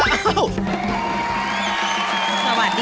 อ้าว